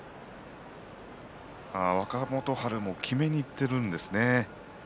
若元春もきめにいっているんですね。